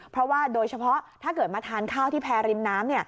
เพราะว่าโดยเฉพาะถ้าเกิดมาทานข้าวที่แพรริมน้ำ